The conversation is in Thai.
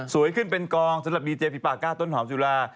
สวยขึ้นเป็นกองเท่าดีเจฟิปาตร์กากราต้นหอมจุลา